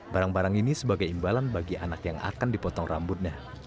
barang barang ini sebagai imbalan bagi anak yang akan dipotong rambutnya